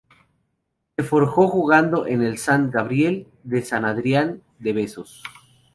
Se forjó jugando en el Sant Gabriel de San Adrián de Besós.